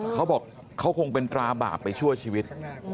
เขาบอกเขาคงเป็นตราบาปไปชั่วชีวิต